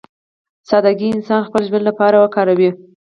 سادهګي انسان خپل ژوند لپاره وکاروي.